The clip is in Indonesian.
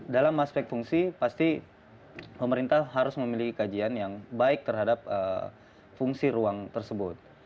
dalam aspek fungsi pasti pemerintah harus memiliki kajian yang baik terhadap fungsi ruang tersebut